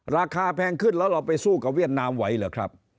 แพงขึ้นแล้วเราไปสู้กับเวียดนามไหวเหรอครับ